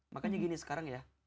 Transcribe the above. makanya gini sekarang ya